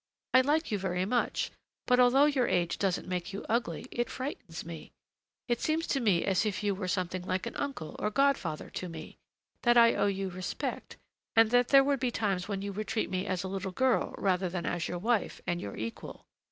I like you very much; but although your age doesn't make you ugly, it frightens me. It seems to me as if you were something like an uncle or godfather to me; that I owe you respect, and that there would be times when you would treat me as a little girl rather than as your wife and your equal.